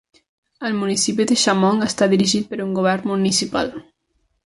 El municipi de Shamong està dirigit per un govern municipal.